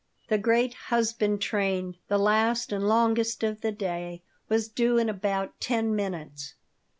The great "husband train," the last and longest of the day, was due in about ten minutes.